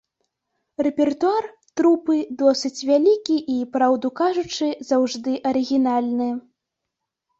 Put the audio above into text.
Рэпертуар трупы досыць вялікі і, праўду кажучы, заўжды арыгінальны.